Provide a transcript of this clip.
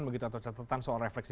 begitu atau catatan soal refleksi